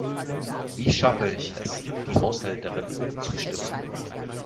Wie schaffe ich es, die Haushälterin umzustimmen?